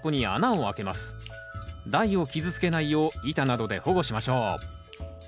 台を傷つけないよう板などで保護しましょう。